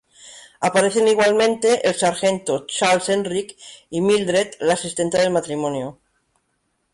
Aparecen igualmente, el Sargento "Charles Enright" y "Mildred", la asistenta del matrimonio.